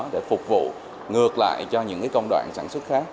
để phục vụ ngược lại cho những công đoạn sản xuất khác